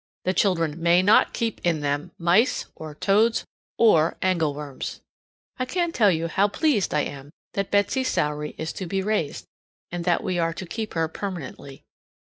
The children may not keep in them mice or toads or angleworms. I can't tell you how pleased I am that Betsy's salary is to be raised, and that we are to keep her permanently.